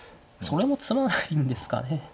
それも詰まないんですかね。